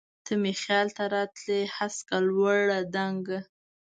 ته مي خیال ته راتلی هسکه، لوړه، دنګه